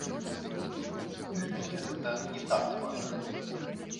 Для мяне гэта не так важна.